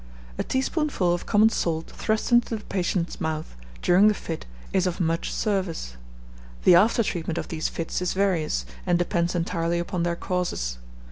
A teaspoonful of common salt thrust into the patient's mouth, during the fit, is of much service. The after treatment of these fits is various, and depends entirely upon their causes.